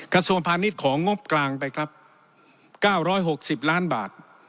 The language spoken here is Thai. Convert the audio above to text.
กระทรวงพาณิชย์ของงบกลางไปครับ๙๖๐ล้านบาท